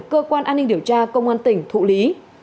cơ quan an ninh điều tra công an tỉnh thụ lý